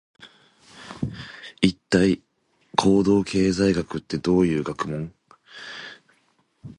一体、行動経済学ってどういう学問？